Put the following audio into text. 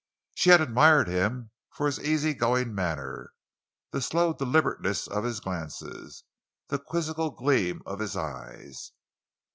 She had admired him for his easy going manner, the slow deliberateness of his glances, the quizzical gleam of his eyes.